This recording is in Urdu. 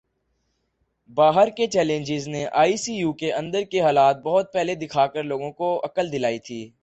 باہر کے چینلز نے آئی سی یو کے اندر کے حالات بہت پہلے دکھا کر لوگوں کو عقل دلائی تھی